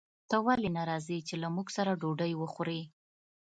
ته ولې نه راځې چې له موږ سره ډوډۍ وخورې